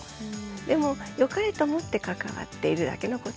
でもよかれと思って関わっているだけのことなんで。